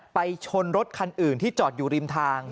ไปชนรถคันอื่นที่จอดอยู่ริมทาง